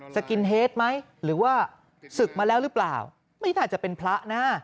สกินเฮดไหมหรือว่าศึกมาแล้วหรือเปล่าไม่น่าจะเป็นพระนะ